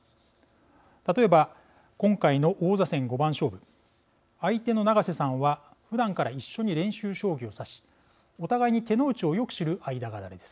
例えば今回の王座戦五番勝負相手の永瀬さんはふだんから一緒に練習将棋を指しお互いに手の内をよく知る間柄です。